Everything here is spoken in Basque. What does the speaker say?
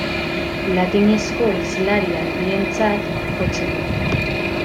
Latinezko hizlari handientzat jotzen da.